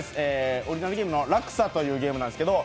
オリジナルゲームの「落差」というゲームなんですけど